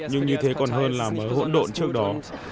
nhưng như thế còn hơn là mới hỗn độn trước đó